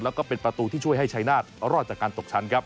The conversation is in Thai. แล้วก็เป็นประตูที่ช่วยให้ชายนาฏรอดจากการตกชั้นครับ